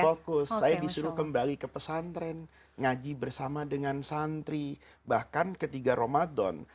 fokus saya disuruh kembali ke pesantren ngaji bersama dengan santri bahkan ketika ramadan